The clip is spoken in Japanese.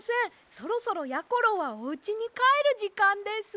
そろそろやころはおうちにかえるじかんです。